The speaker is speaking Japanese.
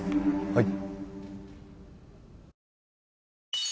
はい。